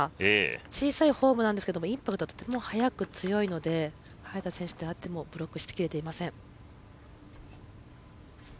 小さいフォームなんですがインパクトがとても強く速いので早田選手であってもブロックしきれていません。